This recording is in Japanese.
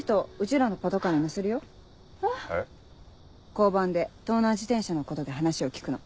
交番で盗難自転車のことで話を聞くの。